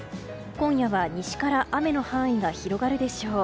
今夜は西から雨の範囲が広がるでしょう。